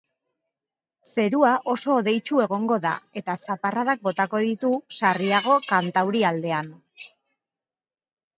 Zerua oso hodeitsu egongo da, eta zaparradak botako ditu, sarriago kantaurialdean.